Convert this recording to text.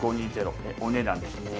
お値段ですね。